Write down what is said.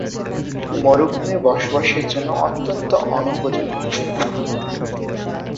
মরুভূমি বসবাসের জন্য অত্যন্ত অনুপযোগী।